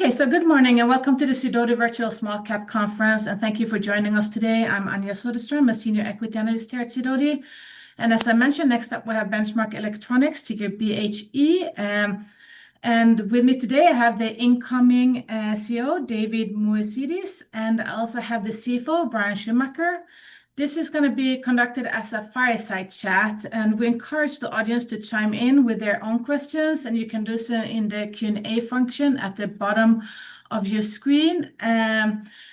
Okay, so good morning, and welcome to the Sidoti Virtual Small Cap Conference, and thank you for joining us today. I'm Anja Soderstrom, a Senior Equity Analyst here at Sidoti. And as I mentioned, next up we have Benchmark Electronics, ticker BHE. And with me today, I have the incoming CEO, David Moezidis, and I also have the CFO, Bryan Schumaker. This is going to be conducted as a fireside chat, and we encourage the audience to chime in with their own questions, and you can do so in the Q&A function at the bottom of your screen.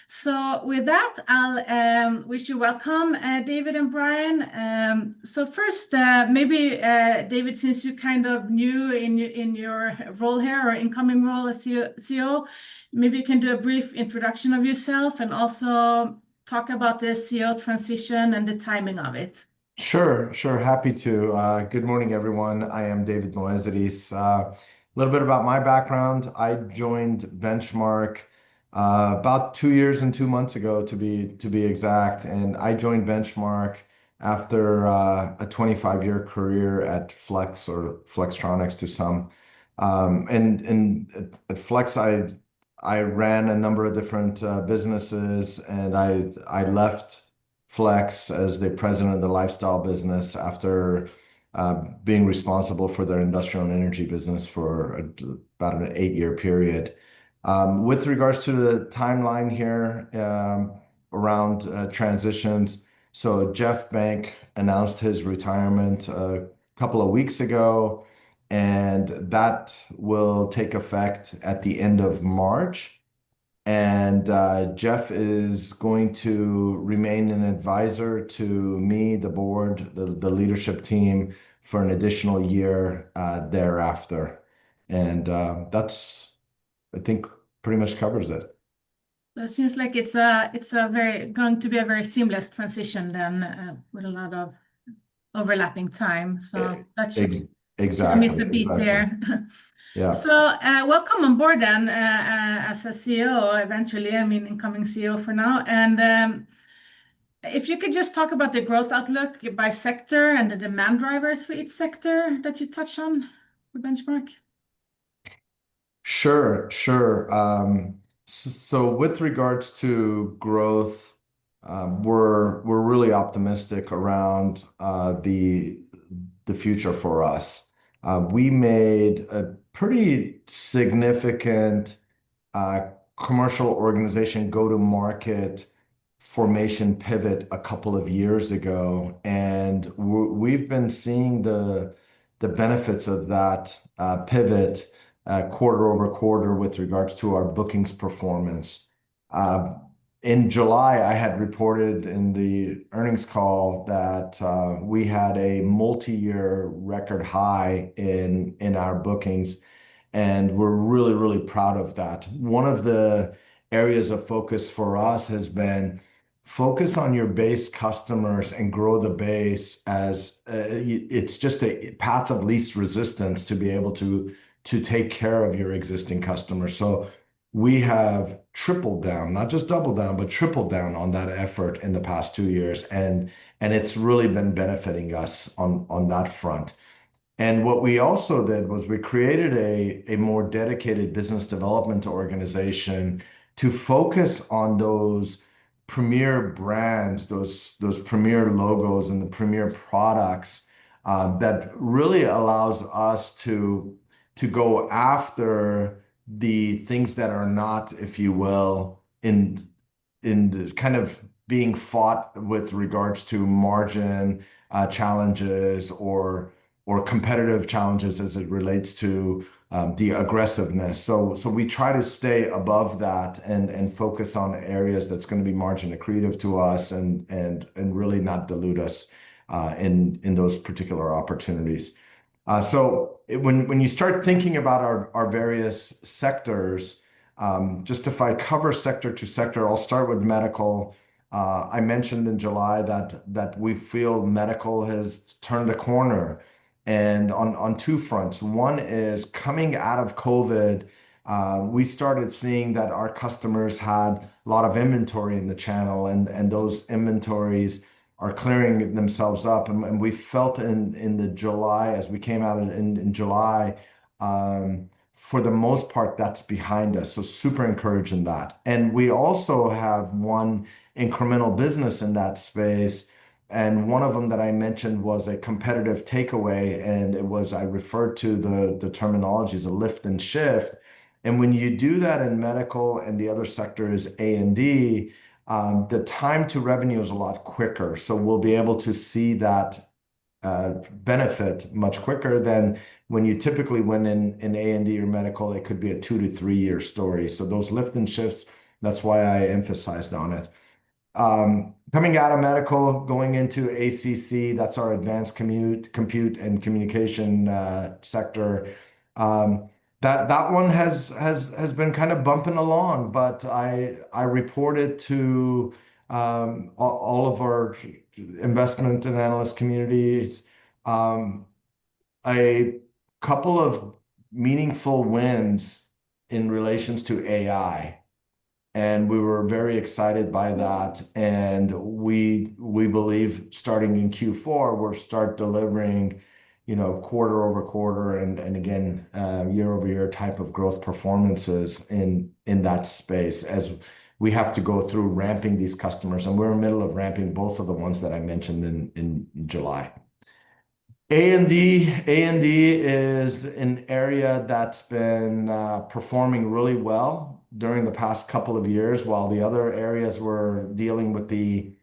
So with that, I'll wish you welcome, David and Bryan. So first, maybe David, since you kind of new in your role here or incoming role as CEO, maybe you can do a brief introduction of yourself and also talk about the CEO transition and the timing of it. Sure, sure. Happy to. Good morning, everyone. I am David Moezidis. A little bit about my background: I joined Benchmark about two years and two months ago, to be exact, and I joined Benchmark after a 25-year career at Flex or Flextronics to some, and at Flex, I ran a number of different businesses, and I left Flex as the president of the lifestyle business after being responsible for their Industrial and Energy business for about an eight-year period. With regards to the timeline here around transitions, so Jeff Benck announced his retirement a couple of weeks ago, and that will take effect at the end of March, and Jeff is going to remain an advisor to me, the board, the leadership team for an additional year thereafter, and that's, I think, pretty much covers it. That seems like it's going to be a very seamless transition then with a lot of overlapping time. So that shouldn't miss a beat there. Yeah. So welcome on board then as a CEO eventually, I mean, incoming CEO for now. And if you could just talk about the growth outlook by sector and the demand drivers for each sector that you touch on with Benchmark. Sure, sure. So with regards to growth, we're really optimistic around the future for us. We made a pretty significant commercial organization go-to-market formation pivot a couple of years ago, and we've been seeing the benefits of that pivot quarter over quarter with regards to our bookings performance. In July, I had reported in the earnings call that we had a multi-year record high in our bookings, and we're really, really proud of that. One of the areas of focus for us has been focus on our base customers and grow the base as it's just a path of least resistance to be able to take care of our existing customers. So we have tripled down, not just doubled down, but tripled down on that effort in the past two years, and it's really been benefiting us on that front. What we also did was we created a more dedicated business development organization to focus on those premier brands, those premier logos, and the premier products that really allows us to go after the things that are not, if you will, in kind of being fought with regards to margin challenges or competitive challenges as it relates to the aggressiveness. We try to stay above that and focus on areas that's going to be margin accretive to us and really not dilute us in those particular opportunities. When you start thinking about our various sectors, just if I cover sector to sector, I'll start with Medical. I mentioned in July that we feel Medical has turned a corner on two fronts. One is coming out of COVID. We started seeing that our customers had a lot of inventory in the channel, and those inventories are clearing themselves up. And we felt in July, as we came out in July, for the most part, that's behind us. So super encouraged in that. And we also have one incremental business in that space, and one of them that I mentioned was a competitive takeaway, and it was. I referred to the terminology as a lift and shift. And when you do that in Medical and the other sector is A&D, the time to revenue is a lot quicker. So we'll be able to see that benefit much quicker than when you typically went in A&D or Medical. It could be a two to three-year story. So those lift and shifts, that's why I emphasized on it. Coming out of Medical, going into ACC, that's our Advanced Computing and Communications sector. That one has been kind of bumping along, but I reported to all of our investment and analyst communities a couple of meaningful wins in relation to AI, and we were very excited by that, and we believe starting in Q4, we'll start delivering quarter over quarter and again, year over year type of growth performances in that space as we have to go through ramping these customers, and we're in the middle of ramping both of the ones that I mentioned in July. A&D is an area that's been performing really well during the past couple of years. While the other areas were dealing with the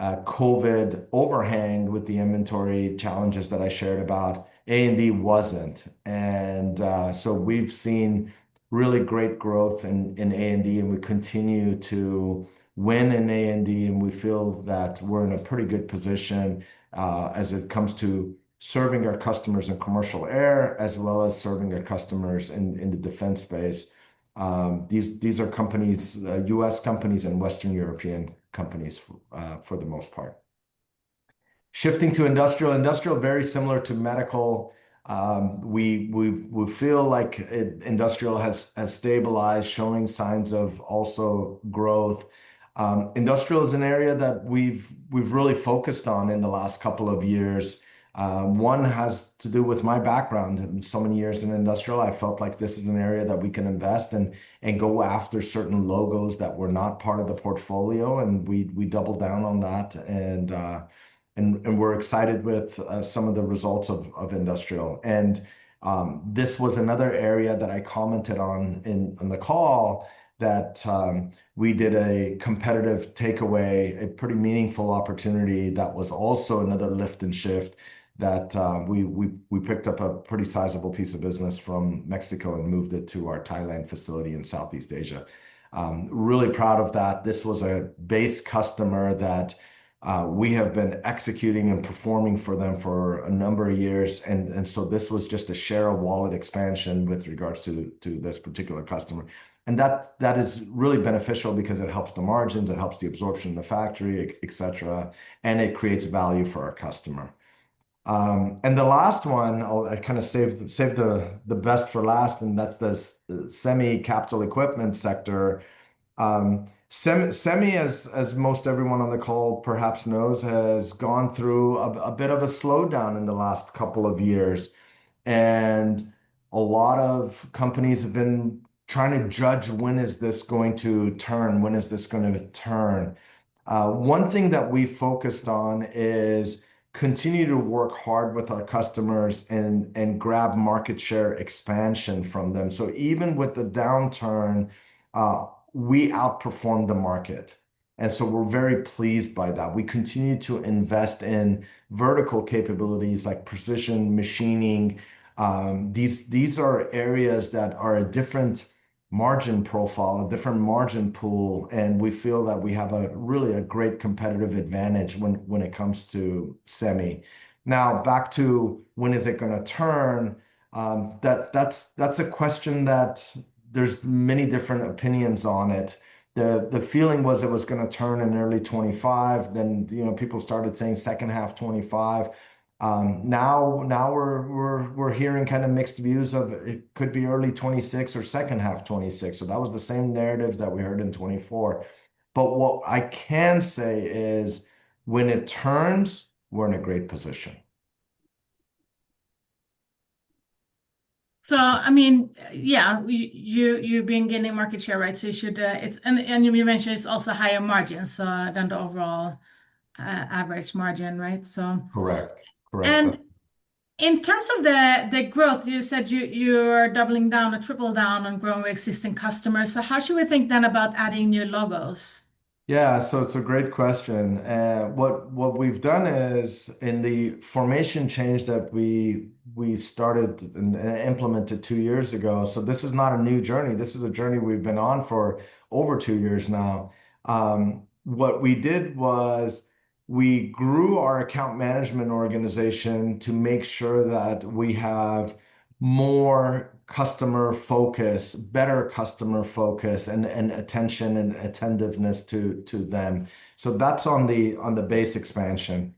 COVID overhang with the inventory challenges that I shared about, A&D wasn't. And so we've seen really great growth in A&D, and we continue to win in A&D, and we feel that we're in a pretty good position as it comes to serving our customers in commercial air as well as serving our customers in the defense space. These are companies, U.S. companies and Western European companies for the most part. Shifting to Industrial, Industrial very similar to Medical. We feel like Industrial has stabilized, showing signs of also growth. Industrial is an area that we've really focused on in the last couple of years. One has to do with my background. So many years in Industrial, I felt like this is an area that we can invest in and go after certain logos that were not part of the portfolio, and we doubled down on that. And we're excited with some of the results of Industrial. This was another area that I commented on in the call that we did a competitive takeaway, a pretty meaningful opportunity that was also another lift and shift that we picked up a pretty sizable piece of business from Mexico and moved it to our Thailand facility in Southeast Asia. Really proud of that. This was a base customer that we have been executing and performing for them for a number of years. So this was just a share of wallet expansion with regards to this particular customer. That is really beneficial because it helps the margins, it helps the absorption of the factory, et cetera, and it creates value for our customer. The last one, I'll kind of save the best for last, and that's the Semi-Cap equipment sector. Semi, as most everyone on the call perhaps knows, has gone through a bit of a slowdown in the last couple of years, and a lot of companies have been trying to judge when is this going to turn, when is this going to turn. One thing that we focused on is continue to work hard with our customers and grab market share expansion from them. So even with the downturn, we outperformed the market. And so we're very pleased by that. We continue to invest in vertical capabilities like precision machining. These are areas that are a different margin profile, a different margin pool, and we feel that we have really a great competitive advantage when it comes to Semi. Now, back to when is it going to turn, that's a question that there's many different opinions on it. The feeling was it was going to turn in early 2025, then people started saying second half 2025. Now we're hearing kind of mixed views of it could be early 2026 or second half 2026, so that was the same narratives that we heard in 2024, but what I can say is when it turns, we're in a great position. So I mean, yeah, you've been gaining market share, right? And you mentioned it's also higher margins than the overall average margin, right? Correct. And in terms of the growth, you said you're doubling down or tripled down on growing existing customers. So how should we think then about adding new logos? Yeah, so it's a great question. What we've done is in the formation change that we started and implemented two years ago. So this is not a new journey. This is a journey we've been on for over two years now. What we did was we grew our account management organization to make sure that we have more customer focus, better customer focus, and attention and attentiveness to them. So that's on the base expansion.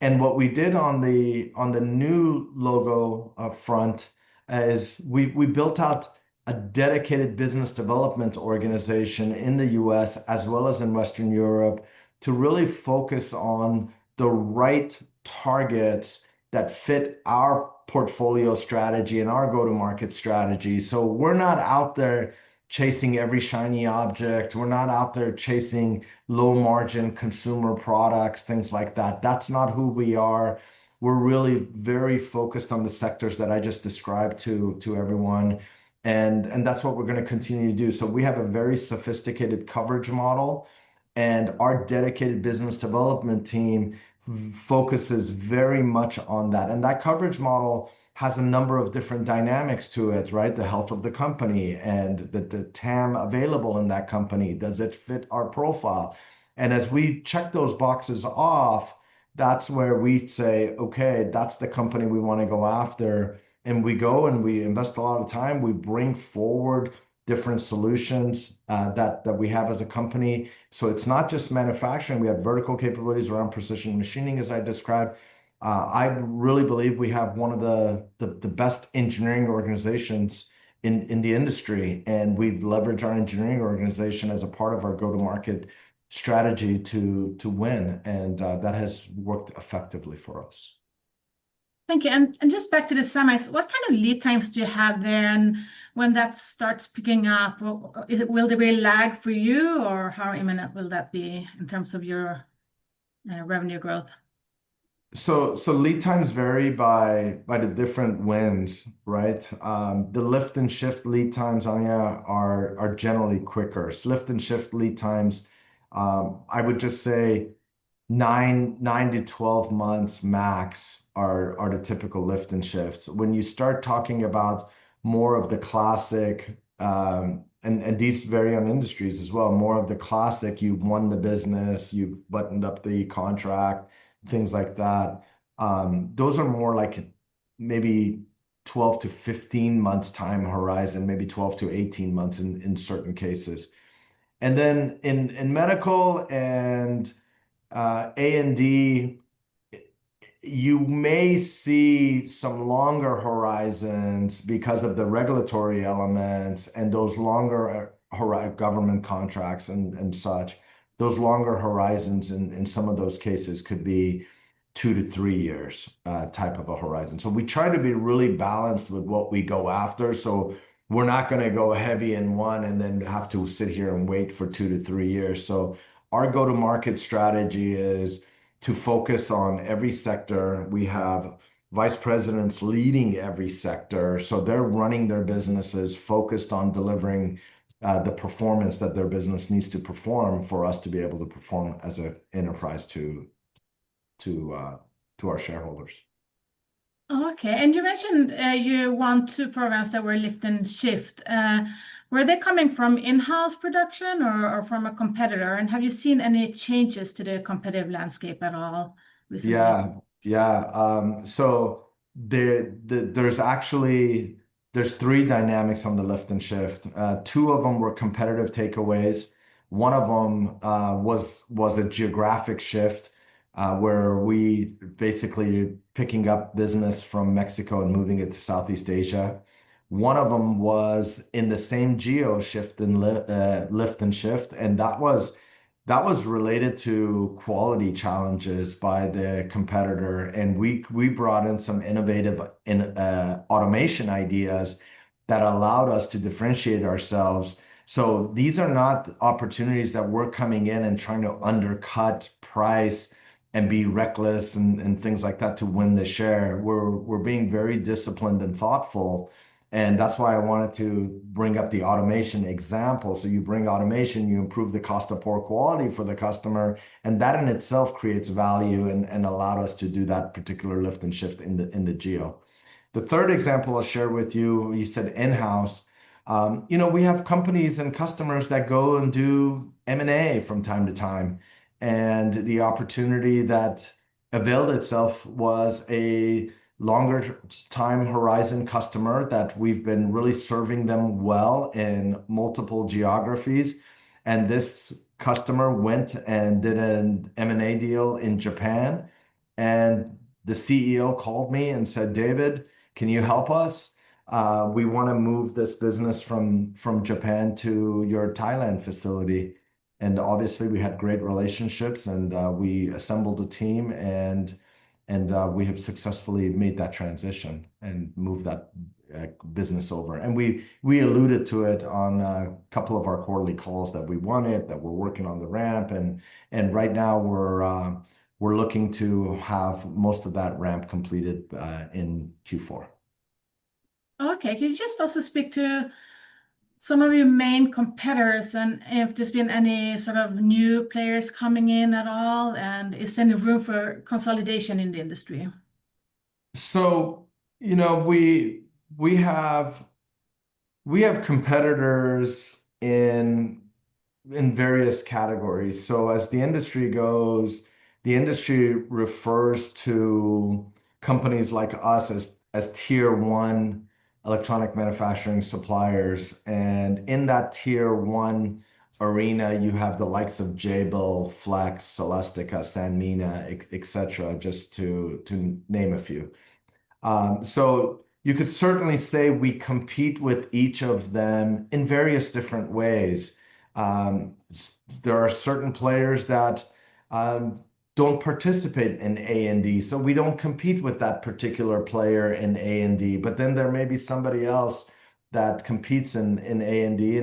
And what we did on the new logo front is we built out a dedicated business development organization in the U.S. as well as in Western Europe to really focus on the right targets that fit our portfolio strategy and our go-to-market strategy. So we're not out there chasing every shiny object. We're not out there chasing low-margin consumer products, things like that. That's not who we are. We're really very focused on the sectors that I just described to everyone, and that's what we're going to continue to do. So we have a very sophisticated coverage model, and our dedicated business development team focuses very much on that. And that coverage model has a number of different dynamics to it, right? The health of the company and the TAM available in that company. Does it fit our profile? And as we check those boxes off, that's where we say, "Okay, that's the company we want to go after." And we go and we invest a lot of time. We bring forward different solutions that we have as a company. So it's not just manufacturing. We have vertical capabilities around precision machining, as I described. I really believe we have one of the best engineering organizations in the industry, and we leverage our engineering organization as a part of our go-to-market strategy to win. And that has worked effectively for us. Thank you. And just back to the semis, what kind of lead times do you have there? And when that starts picking up, will there be a lag for you or how imminent will that be in terms of your revenue growth? Lead times vary by the different wins, right? The lift and shift lead times are generally quicker. Lift and shift lead times, I would just say nine to 12 months max are the typical lift and shifts. When you start talking about more of the classic, and these vary on industries as well, you've won the business, you've buttoned up the contract, things like that. Those are more like maybe 12 to 15 months time horizon, maybe 12 to 18 months in certain cases. And then in Medical and A&D, you may see some longer horizons because of the regulatory elements and those longer government contracts and such. Those longer horizons in some of those cases could be two to three years type of a horizon. We try to be really balanced with what we go after. So we're not going to go heavy in one and then have to sit here and wait for two to three years. So our go-to-market strategy is to focus on every sector. We have vice presidents leading every sector. So they're running their businesses focused on delivering the performance that their business needs to perform for us to be able to perform as an enterprise to our shareholders. Okay. And you mentioned you want two programs that were lift and shift. Were they coming from in-house production or from a competitor? And have you seen any changes to the competitive landscape at all recently? Yeah. Yeah. So there's three dynamics on the lift and shift. Two of them were competitive takeaways. One of them was a geographic shift where we basically are picking up business from Mexico and moving it to Southeast Asia. One of them was in the same geo shift and lift and shift. And that was related to quality challenges by the competitor. And we brought in some innovative automation ideas that allowed us to differentiate ourselves. So these are not opportunities that we're coming in and trying to undercut price and be reckless and things like that to win the share. We're being very disciplined and thoughtful. And that's why I wanted to bring up the automation example. So you bring automation, you improve the cost of poor quality for the customer. And that in itself creates value and allowed us to do that particular lift and shift in the geo. The third example I'll share with you, you said in-house. We have companies and customers that go and do M&A from time to time. And the opportunity that availed itself was a longer time horizon customer that we've been really serving them well in multiple geographies. And this customer went and did an M&A deal in Japan. And the CEO called me and said, "David, can you help us? We want to move this business from Japan to your Thailand facility." And obviously, we had great relationships and we assembled a team and we have successfully made that transition and moved that business over. And we alluded to it on a couple of our quarterly calls that we wanted, that we're working on the ramp. Right now we're looking to have most of that ramp completed in Q4. Okay. Can you just also speak to some of your main competitors and if there's been any sort of new players coming in at all and is there any room for consolidation in the industry? So we have competitors in various categories. So as the industry goes, the industry refers to companies like us as Tier 1 electronic manufacturing suppliers. And in that Tier 1 arena, you have the likes of Jabil, Flex, Celestica, Sanmina, et cetera, just to name a few. So you could certainly say we compete with each of them in various different ways. There are certain players that don't participate in A&D, so we don't compete with that particular player in A&D, but then there may be somebody else that competes in A&D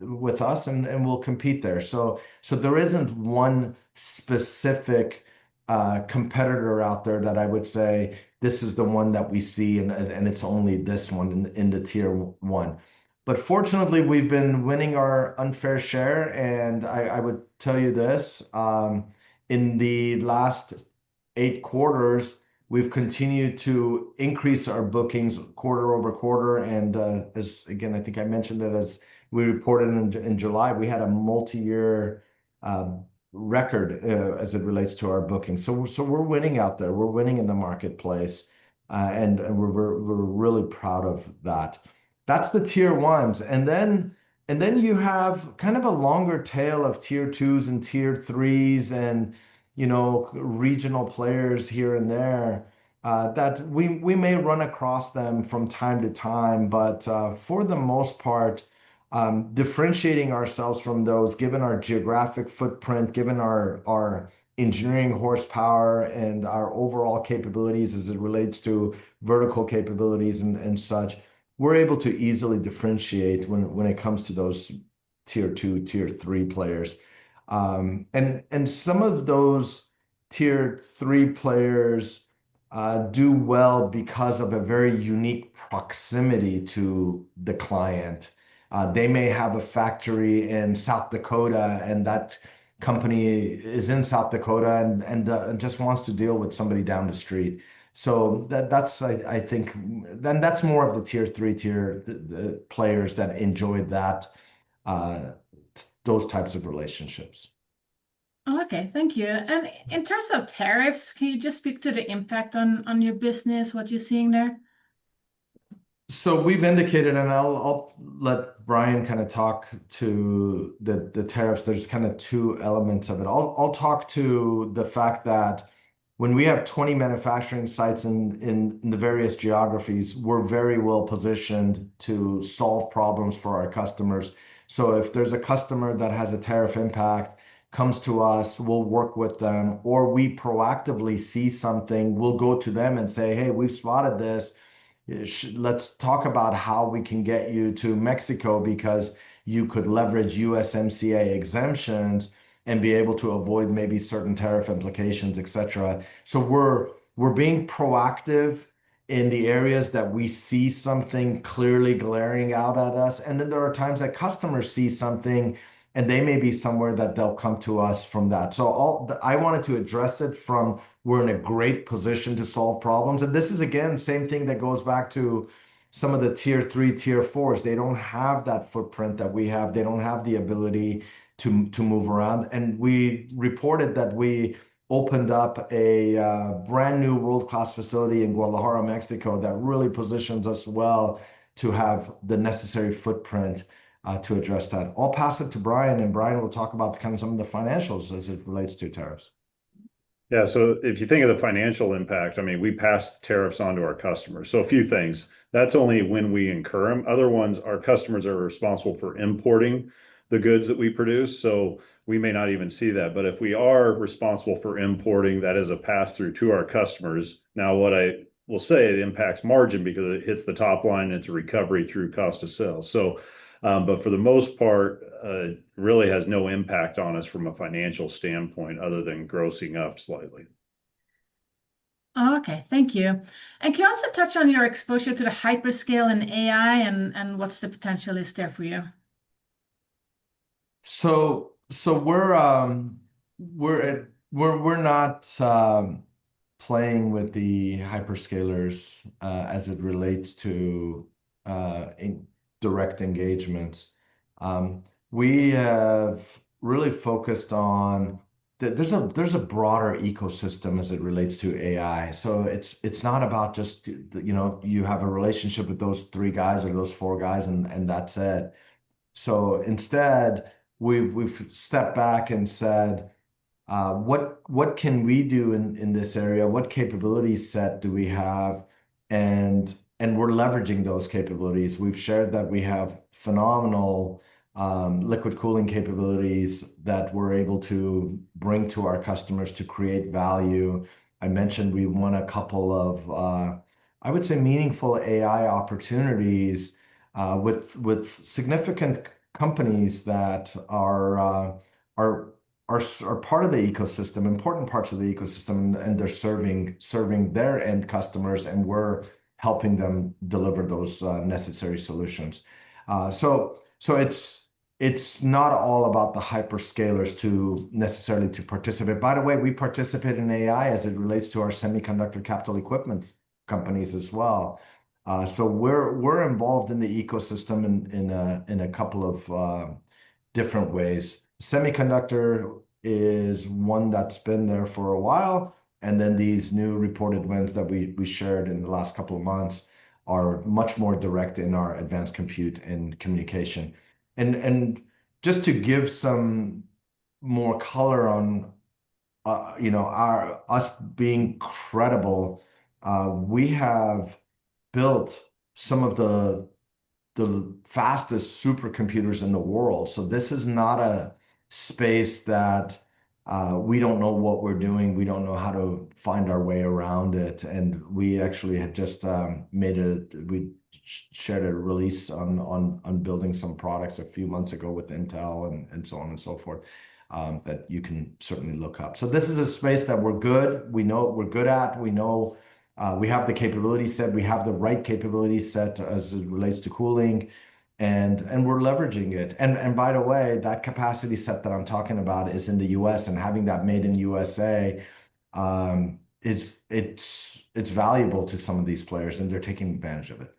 with us and will compete there. So there isn't one specific competitor out there that I would say, "This is the one that we see and it's only this one in the Tier 1." But fortunately, we've been winning our unfair share. I would tell you this, in the last eight quarters, we've continued to increase our bookings quarter over quarter. Again, I think I mentioned that as we reported in July, we had a multi-year record as it relates to our booking. We're winning out there. We're winning in the marketplace. We're really proud of that. That's the Tier 1s. Then you have kind of a longer tail of Tier 2s and Tier 3s and regional players here and there that we may run across them from time to time, but for the most part, differentiating ourselves from those, given our geographic footprint, given our engineering horsepower and our overall capabilities as it relates to vertical capabilities and such, we're able to easily differentiate when it comes to those Tier 2, Tier 3 players. And some of those Tier 3 players do well because of a very unique proximity to the client. They may have a factory in South Dakota and that company is in South Dakota and just wants to deal with somebody down the street. So I think then that's more of the Tier 3, Tier players that enjoy those types of relationships. Okay. Thank you. And in terms of tariffs, can you just speak to the impact on your business, what you're seeing there? So we've indicated, and I'll let Bryan kind of talk to the tariffs. There's kind of two elements of it. I'll talk to the fact that when we have 20 manufacturing sites in the various geographies, we're very well positioned to solve problems for our customers. So if there's a customer that has a tariff impact, comes to us, we'll work with them, or we proactively see something, we'll go to them and say, "Hey, we've spotted this. Let's talk about how we can get you to Mexico because you could leverage USMCA exemptions and be able to avoid maybe certain tariff implications," et cetera. So we're being proactive in the areas that we see something clearly glaring out at us. And then there are times that customers see something and they may be somewhere that they'll come to us from that. I wanted to address it from where we're in a great position to solve problems. And this is, again, same thing that goes back to some of the Tier 3, Tier 4s. They don't have that footprint that we have. They don't have the ability to move around. And we reported that we opened up a brand new world-class facility in Guadalajara, Mexico that really positions us well to have the necessary footprint to address that. I'll pass it to Bryan, and Bryan will talk about kind of some of the financials as it relates to tariffs. Yeah. So if you think of the financial impact, I mean, we pass tariffs on to our customers. So a few things. That's only when we incur them. Other ones, our customers are responsible for importing the goods that we produce. So we may not even see that. But if we are responsible for importing, that is a pass-through to our customers. Now, what I will say, it impacts margin because it hits the top line and it's a recovery through cost of sales. But for the most part, it really has no impact on us from a financial standpoint other than grossing up slightly. Okay. Thank you. And can you also touch on your exposure to the hyperscalers and AI and what's the potential is there for you? So we're not playing with the hyperscalers as it relates to direct engagements. We have really focused on there's a broader ecosystem as it relates to AI. So it's not about just you have a relationship with those three guys or those four guys and that's it. So instead, we've stepped back and said, "What can we do in this area? What capability set do we have?" And we're leveraging those capabilities. We've shared that we have phenomenal liquid cooling capabilities that we're able to bring to our customers to create value. I mentioned we won a couple of, I would say, meaningful AI opportunities with significant companies that are part of the ecosystem, important parts of the ecosystem, and they're serving their end customers and we're helping them deliver those necessary solutions. So it's not all about the hyperscalers necessarily to participate. By the way, we participate in AI as it relates to our semiconductor capital equipment companies as well. So we're involved in the ecosystem in a couple of different ways. Semiconductor is one that's been there for a while. And then these new reported wins that we shared in the last couple of months are much more direct in our Advanced Computing and Communications. And just to give some more color on us being credible, we have built some of the fastest supercomputers in the world. So this is not a space that we don't know what we're doing. We don't know how to find our way around it. And we actually we shared a release on building some products a few months ago with Intel and so on and so forth that you can certainly look up. So this is a space that we're good. We know what we're good at. We have the capability set. We have the right capability set as it relates to cooling. And we're leveraging it. And by the way, that capacity set that I'm talking about is in the U.S. and having that made in the U.S.A., it's valuable to some of these players and they're taking advantage of it.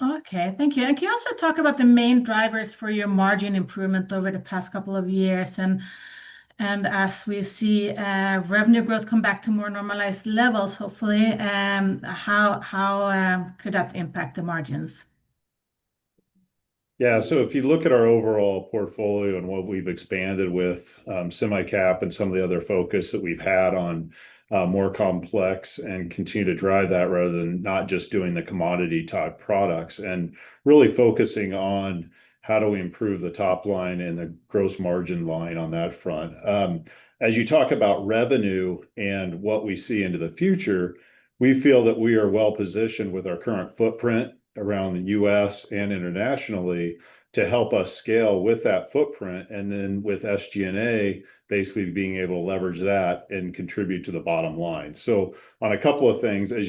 Okay. Thank you. And can you also talk about the main drivers for your margin improvement over the past couple of years? And as we see revenue growth come back to more normalized levels, hopefully, how could that impact the margins? Yeah. So if you look at our overall portfolio and what we've expanded with Semicap and some of the other focus that we've had on more complex and continue to drive that rather than not just doing the commodity-type products and really focusing on how do we improve the top line and the gross margin line on that front. As you talk about revenue and what we see into the future, we feel that we are well positioned with our current footprint around the U.S. and internationally to help us scale with that footprint and then with SG&A basically being able to leverage that and contribute to the bottom line. On a couple of things, as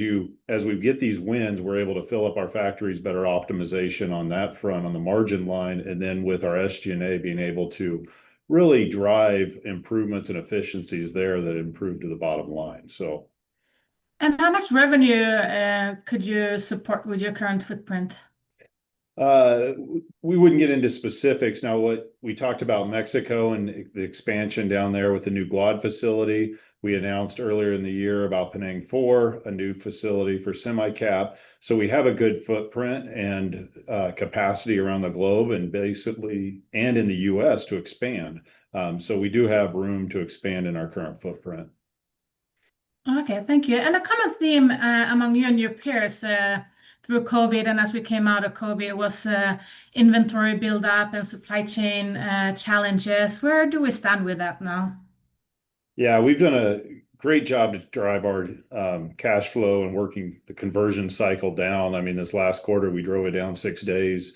we get these wins, we're able to fill up our factories better optimization on that front on the margin line, and then with our SG&A being able to really drive improvements and efficiencies there that improve to the bottom line. So. How much revenue could you support with your current footprint? We wouldn't get into specifics. Now, we talked about Mexico and the expansion down there with the new Guadalajara facility. We announced earlier in the year about Penang 4, a new facility for Semicap, so we have a good footprint and capacity around the globe and basically and in the US to expand, so we do have room to expand in our current footprint. Okay. Thank you. And a common theme among you and your peers through COVID and as we came out of COVID was inventory build-up and supply chain challenges. Where do we stand with that now? Yeah. We've done a great job to drive our cash flow and working the conversion cycle down. I mean, this last quarter, we drove it down six days.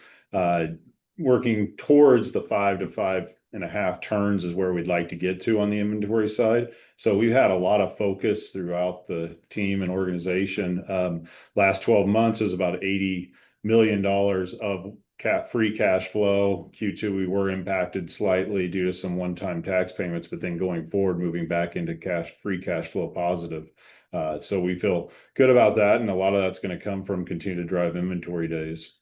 Working towards the five to five and a half turns is where we'd like to get to on the inventory side, so we've had a lot of focus throughout the team and organization. Last 12 months was about $80 million of free cash flow. Q2, we were impacted slightly due to some one-time tax payments, but then going forward, moving back into free cash flow positive, so we feel good about that and a lot of that's going to come from continuing to drive inventory days.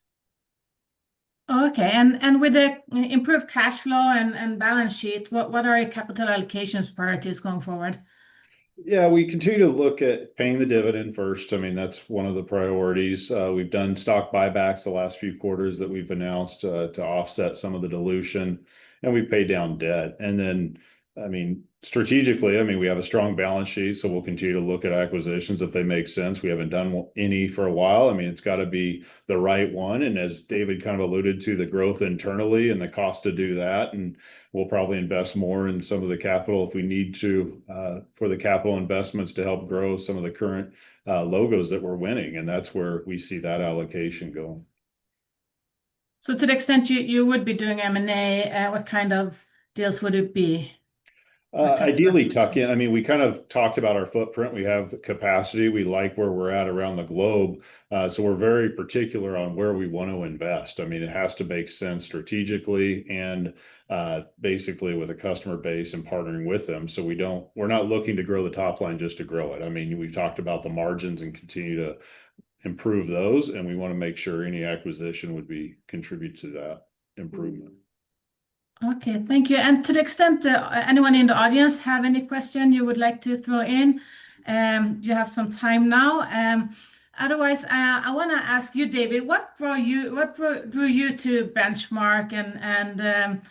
Okay. And with the improved cash flow and balance sheet, what are your capital allocations priorities going forward? Yeah. We continue to look at paying the dividend first. I mean, that's one of the priorities. We've done stock buybacks the last few quarters that we've announced to offset some of the dilution. And we've paid down debt. And then, I mean, strategically, I mean, we have a strong balance sheet, so we'll continue to look at acquisitions if they make sense. We haven't done any for a while. I mean, it's got to be the right one. And as David kind of alluded to, the growth internally and the cost to do that. And we'll probably invest more in some of the capital if we need to for the capital investments to help grow some of the current logos that we're winning. And that's where we see that allocation going. To the extent you would be doing M&A, what kind of deals would it be? Ideally, tuck-in. I mean, we kind of talked about our footprint. We have capacity. We like where we're at around the globe. So we're very particular on where we want to invest. I mean, it has to make sense strategically and basically with a customer base and partnering with them. So we're not looking to grow the top line just to grow it. I mean, we've talked about the margins and continue to improve those. And we want to make sure any acquisition would contribute to that improvement. Okay. Thank you. And to the extent anyone in the audience have any question you would like to throw in, you have some time now. Otherwise, I want to ask you, David, what drew you to Benchmark and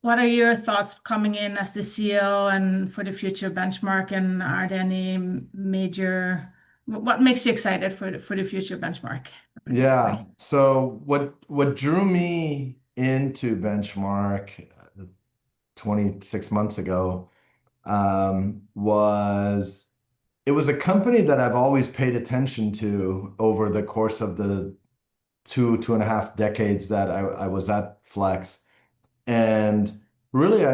what are your thoughts coming in as the CEO and for the future Benchmark? And are there any major what makes you excited for the future Benchmark? Yeah. So what drew me into Benchmark 26 months ago was it was a company that I've always paid attention to over the course of the two and a half decades that I was at Flex, and really,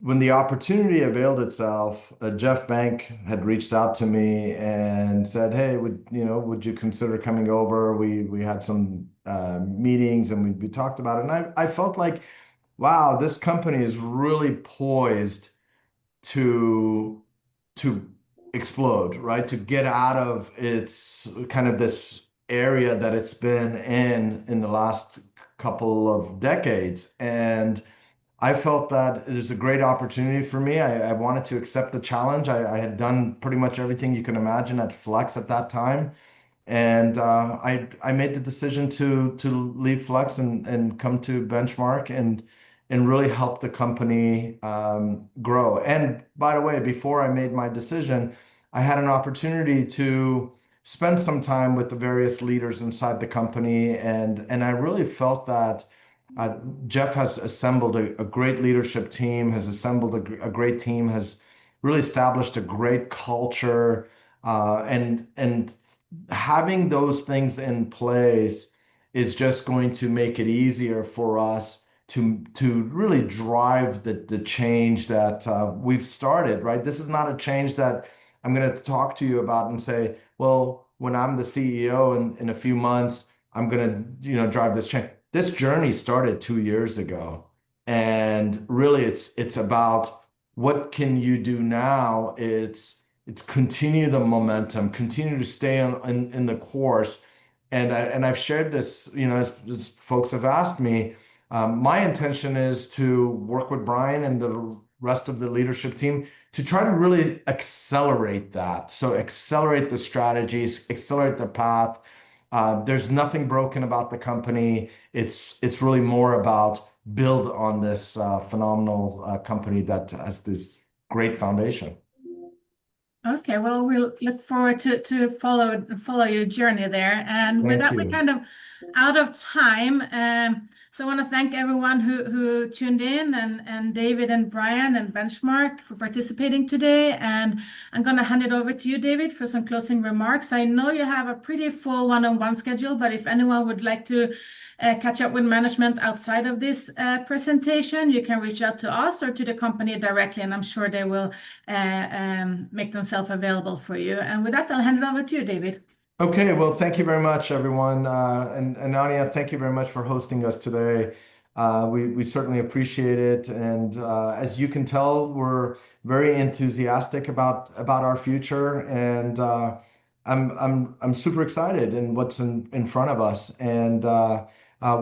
when the opportunity availed itself, Jeff Benck had reached out to me and said, "Hey, would you consider coming over?" We had some meetings and we talked about it, and I felt like, "Wow, this company is really poised to explode," right, to get out of kind of this area that it's been in in the last couple of decades, and I felt that there's a great opportunity for me. I wanted to accept the challenge. I had done pretty much everything you can imagine at Flex at that time, and I made the decision to leave Flex and come to Benchmark and really help the company grow. By the way, before I made my decision, I had an opportunity to spend some time with the various leaders inside the company. I really felt that Jeff has assembled a great leadership team, has assembled a great team, has really established a great culture. Having those things in place is just going to make it easier for us to really drive the change that we've started, right? This is not a change that I'm going to talk to you about and say, "Well, when I'm the CEO in a few months, I'm going to drive this change." This journey started two years ago. Really, it's about what can you do now? It's continue the momentum, continue to stay in the course. I've shared this as folks have asked me. My intention is to work with Brian and the rest of the leadership team to try to really accelerate that, so accelerate the strategies, accelerate the path. There's nothing broken about the company. It's really more about build on this phenomenal company that has this great foundation. Okay. Well, we'll look forward to follow your journey there. And we're definitely kind of out of time. So I want to thank everyone who tuned in and David and Bryan and Benchmark for participating today. And I'm going to hand it over to you, David, for some closing remarks. I know you have a pretty full one-on-one schedule, but if anyone would like to catch up with management outside of this presentation, you can reach out to us or to the company directly, and I'm sure they will make themselves available for you. And with that, I'll hand it over to you, David. Okay. Well, thank you very much, everyone. And Anja, thank you very much for hosting us today. We certainly appreciate it. And as you can tell, we're very enthusiastic about our future. And I'm super excited in what's in front of us. And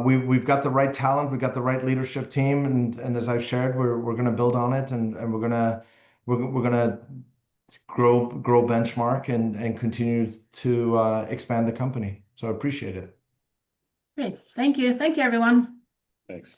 we've got the right talent. We've got the right leadership team. And as I've shared, we're going to build on it. And we're going to grow Benchmark and continue to expand the company. So I appreciate it. Great. Thank you. Thank you, everyone. Thanks.